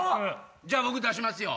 じゃあ僕出しますよ。